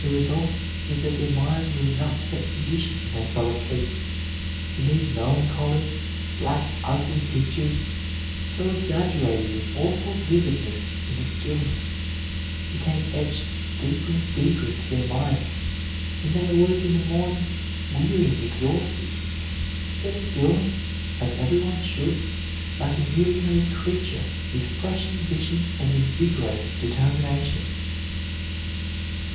The result was that their minds were in an upset condition when they fell asleep, and these melancholy, black, ugly pictures, so exaggerated in awful vividness in the stillness, became etched deeper and deeper into their minds, and they awoke in the morning weary and exhausted, instead of feeling, as every one should, like a newly made creature with fresh ambition and invigorated determination.